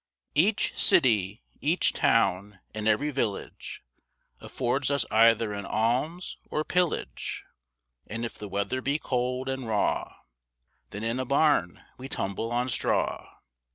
Each city, each town, and every village Affords us either an alms or pillage. And if the weather be cold and raw, Then in a barn we tumble on straw.